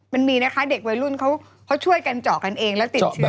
มันมีนะคะเด็กวัยรุ่นเขาช่วยกันเจาะกันเองแล้วติดเชื้อ